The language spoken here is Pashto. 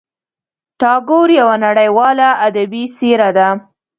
ټاګور یوه نړیواله ادبي څېره ده.